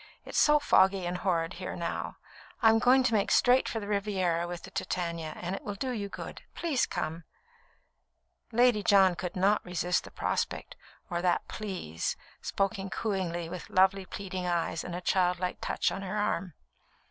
It's so foggy and horrid here now; I'm going to make straight for the Riviera with the Titania, and it will do you good. Please come." Lady John could not resist the prospect, or that "Please," spoken cooingly, with lovely, pleading eyes and a childlike touch on her arm.